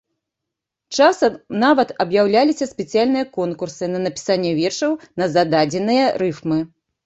Часам нават аб'яўляліся спецыяльныя конкурсы на напісанне вершаў на зададзеныя рыфмы.